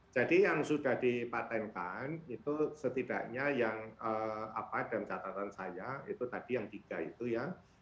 jadi yang sudah dipatenkan itu setidaknya yang apa dalam catatan saya itu tadi yang tiga itu ya